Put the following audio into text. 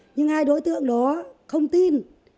nhưng hai đối tượng đó không tin